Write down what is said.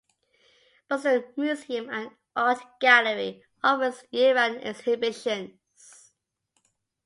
Buxton Museum and Art Gallery offers year-round exhibitions.